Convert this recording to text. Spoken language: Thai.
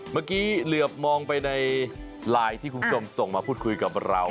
เมื่อกี้เหลือบมองไปในไลน์ที่คุณผู้ชมส่งมาพูดคุยกับเรา